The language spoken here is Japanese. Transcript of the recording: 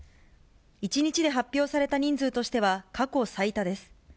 １日で発表された人数としては、過去最多です。